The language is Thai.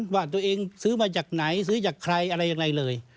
ว่าตัวเองซื้อมาจากไหนซื้อจากใครอะไรยังไงเลย